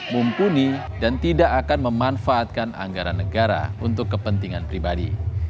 mumpuni dan tidak akan memanfaatkan anggaran negara untuk kepentingan pribadi